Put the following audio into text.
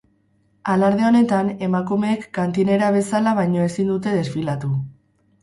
Alarde honetan, emakumeek kantinera bezala baino ezin dute desfilatu.